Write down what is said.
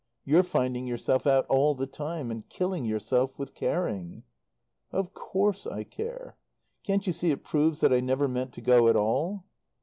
You're finding yourself out all the time, and killing yourself with caring." "Of course I care. Can't you see it proves that I never meant to go at all?"